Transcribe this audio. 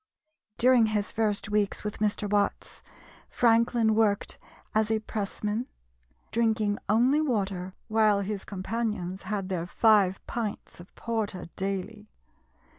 During his first weeks with Mr. Watts, Franklin worked as a pressman, drinking only water while his companions had their five pints of porter daily.